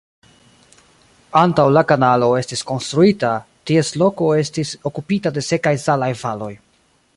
Antaŭ la kanalo estis konstruita, ties loko estis okupita de sekaj salaj valoj.